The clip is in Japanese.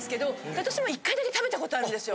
私も１回だけ食べたことあるんですよ。